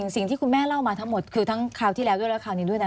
สิ่งที่คุณแม่เล่ามาทั้งหมดคือทั้งคราวที่แล้วด้วยและคราวนี้ด้วยนะ